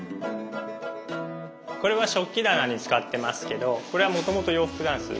これは食器棚に使ってますけどこれはもともと洋服ダンス。